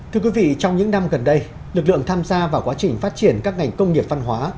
thưa quý vị trong những năm gần đây lực lượng tham gia vào quá trình phát triển các ngành công nghiệp văn hóa